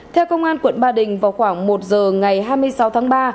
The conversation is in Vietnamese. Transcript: theo công an quận ba đình vào khoảng một giờ ngày hai mươi sáu tháng ba